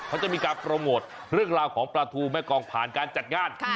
เขาจะมีการโปรโมทเรื่องราวของปลาทูแม่กองผ่านการจัดงาน